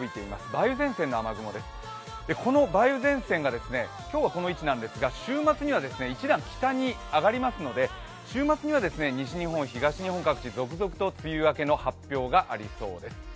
梅雨前線の雨雲です、この梅雨前線が今日はこの位置なんですが週末には一段北に上がりますので週末には西日本・東日本各地、続々と梅雨明けの発表がありそうです。